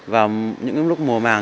vào những lúc mùa màng